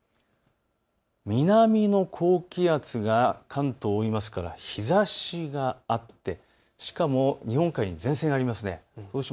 南の高気圧が関東を覆いますから日ざしがあって、しかも日本海に前線がありますね。